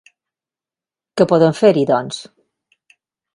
¿Què podem fer-hi, doncs?